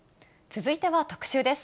続いては特集です。